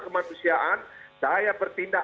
kemanusiaan saya bertindak